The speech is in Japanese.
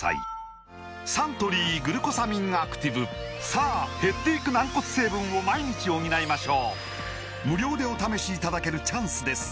サントリー「グルコサミンアクティブ」さあ減っていく軟骨成分を毎日補いましょう無料でお試しいただけるチャンスです